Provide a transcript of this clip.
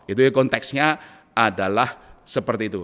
itu konteksnya adalah seperti itu